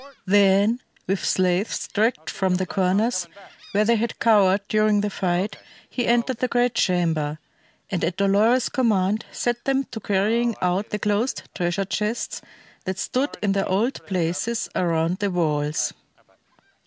Then with slaves dragged from the corners where they had cowered during the fight, he entered the great chamber, and at Dolores's command set them to carrying out the closed treasure chests that stood in their old places around the walls.